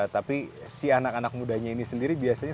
tapi si anak anak mudanya ini sendiri biasanya